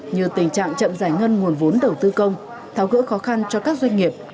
như tình trạng chậm giải ngân nguồn vốn đầu tư công tháo gỡ khó khăn cho các doanh nghiệp